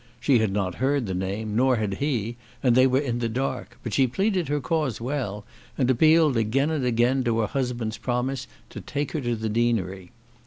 She had not heard the name, nor had he, and they were in the dark; but she pleaded her cause well, and appealed again and again to her husband's promise to take her to the deanery.